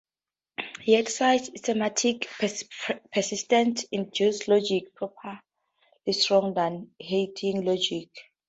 Yet such semantics persistently induce logics properly stronger than Heyting's logic.